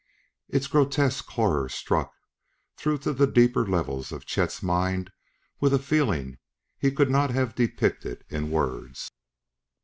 Its grotesque horror struck through to the deeper levels of Chet's mind with a feeling he could not have depicted in words.